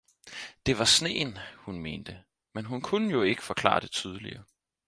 det var sneen, hun mente, men hun kunne jo ikke forklare det tydeligere.